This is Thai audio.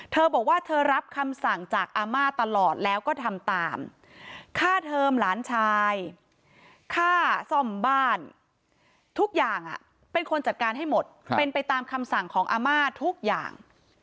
เธอบอกว่าเธอรับคำสั่งจากอาม่าตลอดแล้วก็ทำตามค่าเทอมหลานชายค่าซ่อมบ้านทุกอย่างเป็นคนจัดการให้หมดเป็นไปตามคำสั่งของอาม่าทุกอย่าง